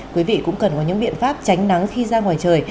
quý vị cũng cần có những biện pháp tránh nắng khi ra ngoài trời